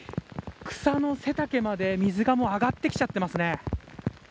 草の背丈まで水が上がってきちゃってますね。